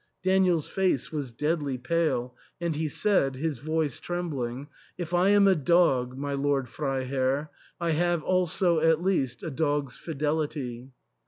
Daniel's face was deadly pale, and he said, his voice trembling, " If I am a dog, my lord Freiherr, I have also at least a dog's fidelity."